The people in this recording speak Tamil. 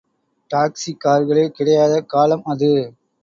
டாக்சி கார்களே கிடையாத காலம் அது.